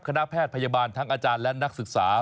คณะแพทย์พยาบาลทั้งอาจารย์และนักศึกษา